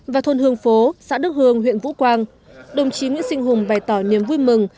và thôn hương phố xã đức hương huyện vũ quang đồng chí nguyễn sinh hùng bày tỏ niềm vui mừng